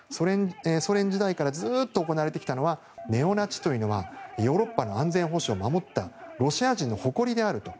ソ連時代からずっと行われてきたのはネオナチというのはヨーロッパの安全保障を守ったロシア人の誇りであると。